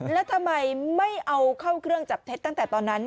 แล้วทำไมไม่เอาเข้าเครื่องจับเท็จตั้งแต่ตอนนั้น